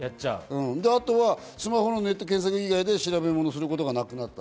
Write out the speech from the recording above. あとはスマホのネット検索以外で調べ物をすることがなくなった。